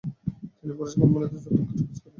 তিনি ফরাসি কোম্পানিতে কাজ করেন।